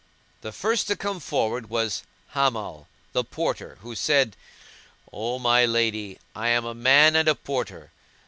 The first to come forward was the Hammal, the Porter, who said, "O my lady, I am a man and a porter.